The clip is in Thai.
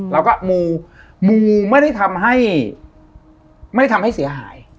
แล้วก็มูมูไม่ได้ทำให้เสียหาย